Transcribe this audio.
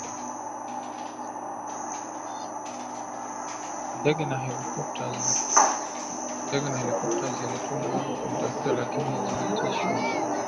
Ndege na helikopta zilitumwa kumtafuta lakini zilisitisha